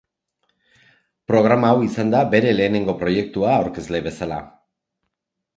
Programa hau izan da bere lehenengo proiektua aurkezle bezala.